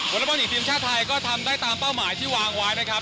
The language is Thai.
บอลหญิงทีมชาติไทยก็ทำได้ตามเป้าหมายที่วางไว้นะครับ